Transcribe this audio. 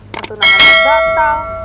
nah tunangannya batal